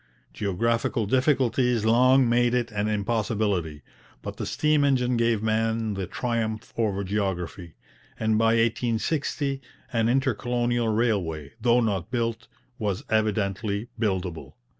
Geographical difficulties long made it an impossibility, but the steam engine gave man the triumph over geography, and by 1860 an intercolonial railway, though not built, was evidently buildable.